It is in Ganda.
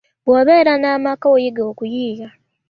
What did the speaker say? Bwobeera n'amaka oyiga okuyiiya .